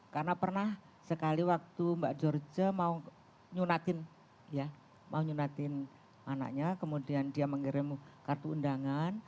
karena pernah sekali waktu mbak dorca mau nyunatin anaknya kemudian dia mengirim kartu undangan